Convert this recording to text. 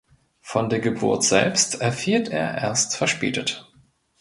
Von der Geburt selbst erfährt er erst verspätet.